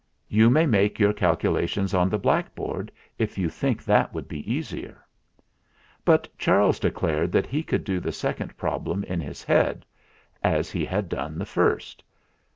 You may make your calculations on the blackboard, if you think that would be easier." But Charles declared that he could do the second problem in his head, as he had done the first.